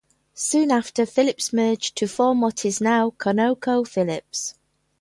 Soon after, Phillips merged to form what is now ConocoPhillips.